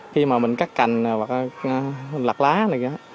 khi mà mình cắt cành hoặc là lặt lá này đó